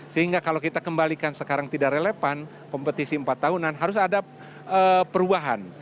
sehingga kalau kita kembalikan sekarang tidak relevan kompetisi empat tahunan harus ada perubahan